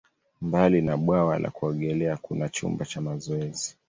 Mbali na bwawa la kuogelea, kuna chumba cha mazoezi.